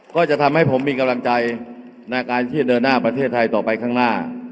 ก็จะทำให้ผมมีกำลังใจในการที่จะเดินหน้าประเทศไทยต่อไปข้างหน้า